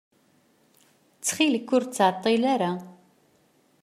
Ttxil-k, ur ttɛeṭṭil ara.